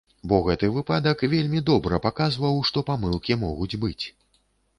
Бо гэты выпадак вельмі добра паказваў, што памылкі могуць быць.